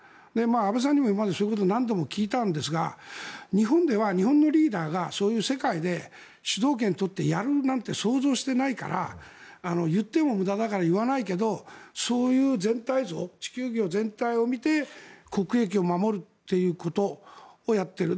安倍さんにも今までそういうことを何度も聞いたんですが日本では、日本のリーダーがそういう世界で主導権を取ってやるなんて想像してないから言っても無駄だから言わないけどそういう全体像地球儀全体を見て国益を守るということをやっている。